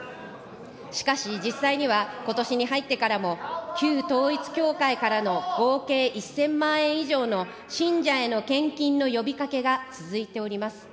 しかし、実際にはことしに入ってからも、旧統一教会からの合計１０００万円以上の信者への献金の呼びかけが続いております。